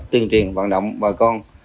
tuyên truyền vận động bà con